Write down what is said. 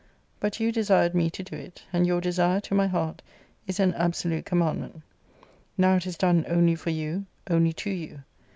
But you desired me to do it ; and your desire, to my heart, is an absolute com mandment. Now it is done only for you, only to you.